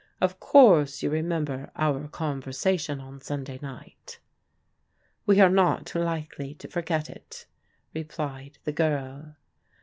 Of course you remember our conversation on Sxmday night?" We are not likely to forget it," replied the girl.